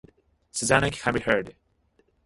Susanna can be heard.